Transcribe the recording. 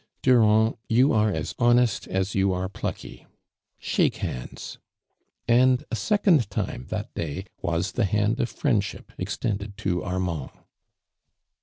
'• Durand, you are as honest as you are plucky. Shiko hands !" and a second time tint day was the hand of friendship extend ed to Armand.